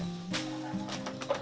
komar menentukan jalankan